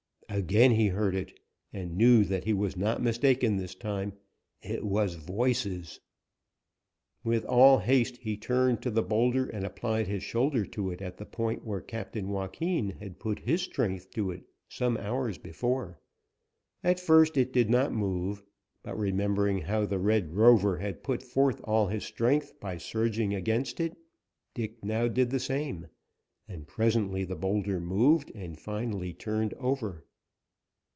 Again he heard it, and knew that he was not mistaken this time; it was voices. With all haste he turned to the boulder and applied his shoulder to it at the point where Captain Joaquin had put his strength to it some hours before. At first it did not move, but remembering how the Red Rover had put forth all his strength by surging against it, Dick now did the same, and presently the boulder moved and finally turned over.